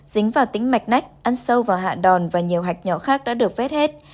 dính vào tính mạch nách ăn sâu vào hạ đòn và nhiều hạch nhỏ khác đã được vét hết